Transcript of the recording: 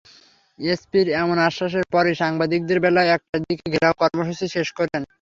এসপির এমন আশ্বাসের পরই সাংবাদিকেরা বেলা একটার দিকে ঘেরাও কর্মসূচি শেষ করেন।